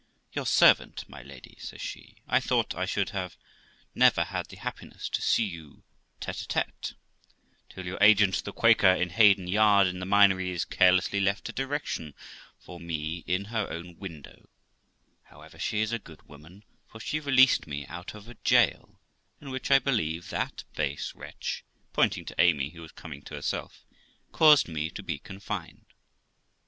'Your servant, my lady', says she; 'I thought I should never have had the happiness to see you tete a tete, till your agent, 406 THE LIFE OF ROXANA the Quaker, in Haydon Yard, in the Minories, carelessly left a direction for me in her own window; however, she is a good woman, for she released me out of a jail in which, I believe, that base wretch' (pointing to Amy, who was coming to herself) 'caused me to be confined.'